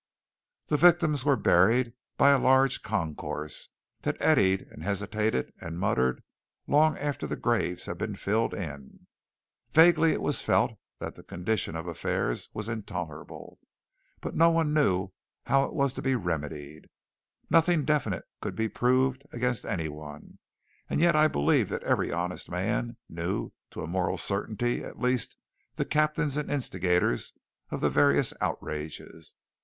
The victims were buried by a large concourse, that eddied and hesitated and muttered long after the graves had been filled in. Vaguely it was felt that the condition of affairs was intolerable; but no one knew how it was to be remedied. Nothing definite could be proved against any one, and yet I believe that every honest man knew to a moral certainty at least the captains and instigators of the various outrages.